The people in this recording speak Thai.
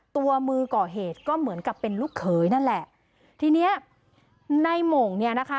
ตัวมือก่อเหตุก็เหมือนกับเป็นลูกเขยนั่นแหละทีเนี้ยในหม่งเนี่ยนะคะ